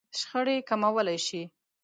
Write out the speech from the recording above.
-شخړې کموالی شئ